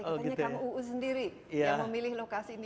makanya kang uu sendiri yang memilih lokasi ini